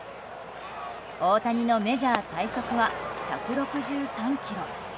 大谷のメジャー最速は１６３キロ。